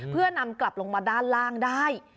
เพื่อนำกลับลงมาด้านล่างได้